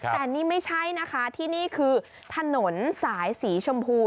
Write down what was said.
แต่นี่ไม่ใช่นะคะที่นี่คือถนนสายสีชมพู